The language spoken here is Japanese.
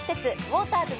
ウォーターズ